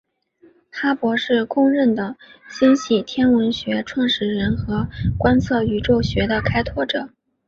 哈勃是公认的星系天文学创始人和观测宇宙学的开拓者。